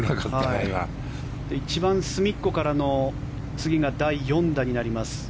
一番隅っこからの次が第４打になります。